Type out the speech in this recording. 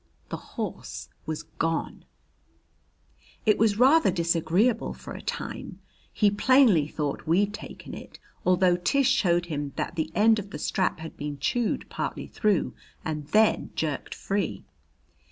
The horse was gone! It was rather disagreeable for a time. He plainly thought we'd taken it, although Tish showed him that the end of the strap had been chewed partly through and then jerked free.